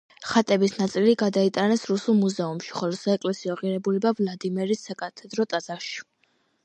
ხატების ნაწილი გადაიტანეს რუსულ მუზეუმში, ხოლო საეკლესიო ღირებულება ვლადიმირის საკათედრო ტაძარში.